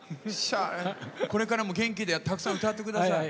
これからも元気でたくさん歌ってください。